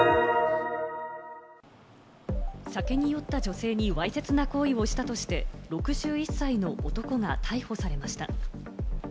酒に酔った女性にわいせつな行為をしたとして６１歳の男が逮捕されました。